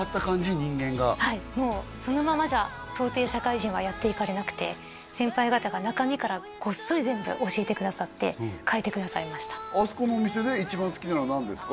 人間がはいもうそのままじゃ到底社会人はやっていかれなくて先輩方が中身からゴッソリ全部教えてくださって変えてくださいましたあそこのお店で一番好きなのは何ですか？